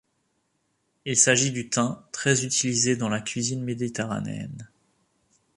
Il s'agit du thym, très utilisé dans la cuisine méditerranéenne.